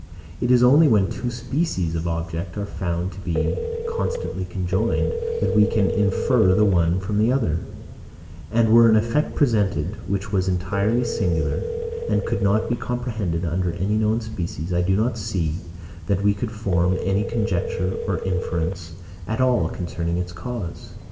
It is only when two species of objects are found to be constantly conjoined, that we can infer the one from the other; and were an effect presented, which was entirely singular, and could not be comprehended under any known species, I do not see, that we could form any conjecture or inference at all concerning its cause.